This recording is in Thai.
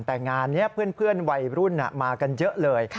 แต่งานนี้เพื่อนวัยรุ่นมากันเยอะเลย